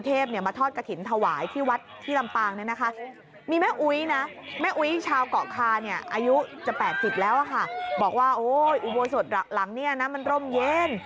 เกาะคาอายุจะ๘๐แล้วค่ะบอกว่าโอ้โฮอุโบสถหลังนี่นะมันร่มเย็น